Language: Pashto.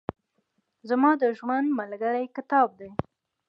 زما د ژوند ملګری کتاب دئ.